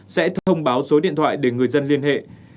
sẽ thông báo số điện thoại để người dân liên hệ